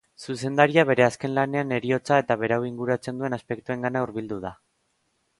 Zuzendaria bere azken lanean heriotza eta berau inguratzen duten aspektuengana hurbildu da.